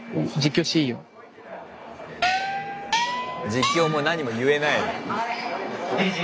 実況もなにも言えない。